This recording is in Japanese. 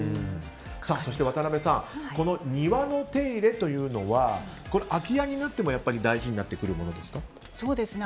そして渡辺さん庭の手入れというのは空き家になっても大事になってくるものですか？